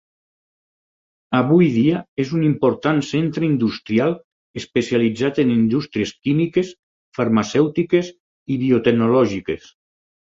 Avui dia és un important centre industrial especialitzat en indústries químiques, farmacèutiques i biotecnològiques.